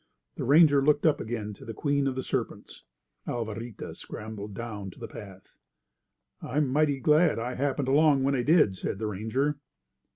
The ranger looked up again to the Queen of the Serpents. Alvarita scrambled down to the path. "I'm mighty glad I happened along when I did," said the ranger.